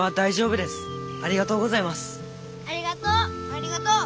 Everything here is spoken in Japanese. ありがとう。